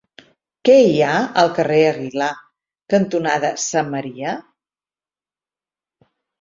Què hi ha al carrer Aguilar cantonada Samaria?